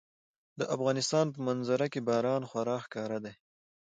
د افغانستان په منظره کې باران خورا ښکاره دی.